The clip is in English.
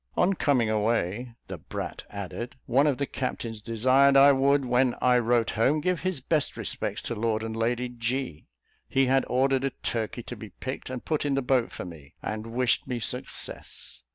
On coming away," the brat added, "one of the captains desired I would, when I wrote home, give his best respects to Lord and Lady G. He had ordered a turkey to be picked and put in the boat for me, and wished me success."